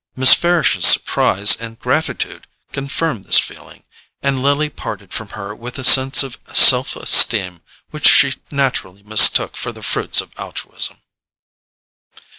Miss Farish's surprise and gratitude confirmed this feeling, and Lily parted from her with a sense of self esteem which she naturally mistook for the fruits of altruism.